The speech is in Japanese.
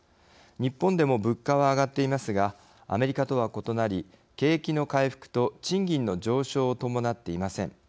日本でも物価は上がっていますがアメリカとは異なり景気の回復と賃金の上昇を伴っていません。